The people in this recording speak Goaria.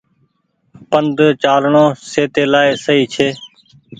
پند چآلڻو سهتي لآئي سئي ڇي۔